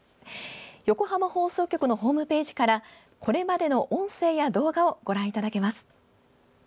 横浜放送局のホームページからこれまでの音声や動画をご覧いただけます。